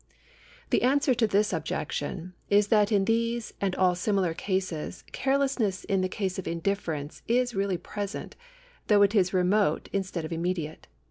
The answer to this objection is that in these and ail similar cases carelessness in the sense of indifference is really present, though it is remote instead of immediate.